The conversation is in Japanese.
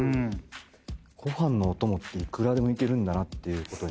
ご飯のおともっていくらでもいけるんだなっていうことに。